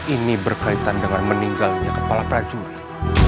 ini berkaitan dengan meninggalnya kepala prajurit